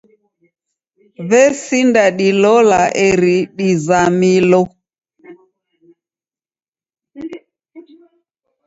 W'esinda dilola eri dizamilo.